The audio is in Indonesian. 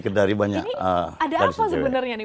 ada apa sebenarnya nih